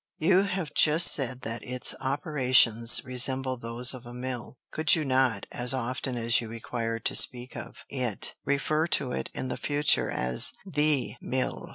You have just said that its operations resemble those of a mill: could you not, as often as you require to speak of it, refer to it in the future as the mill?"